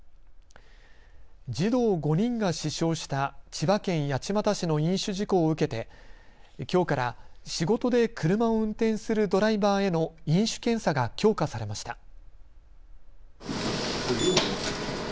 児童５人が死傷した千葉県八街市の飲酒事故を受けてきょうから仕事で車を運転するドライバーへの飲酒検査が強化されました。